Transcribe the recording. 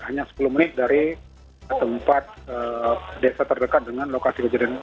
hanya sepuluh menit dari tempat desa terdekat dengan lokasi kejadian